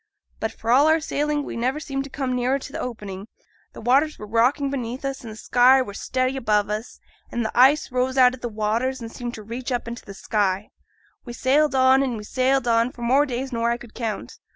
But, for all our sailing, we never seemed to come nearer to th' opening. The waters were rocking beneath us, and the sky were steady above us; and th' ice rose out o' the waters, and seemed to reach up into the sky. We sailed on, and we sailed on, for more days nor I could count.